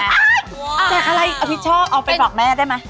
แจกอะไรเอาที่ชอบเอาไปบอกแม่ได้มั้ย